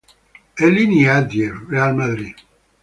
Eli Ndiaye (Real Madrid)